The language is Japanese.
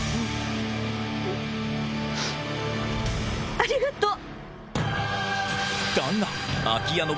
ありがとう！